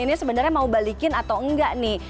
ini sebenarnya mau balikin atau enggak nih